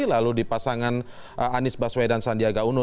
lalu di pasangan anies baswedan sandiaga uno